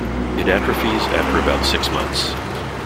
It atrophies after about six months.